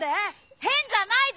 へんじゃないぞ！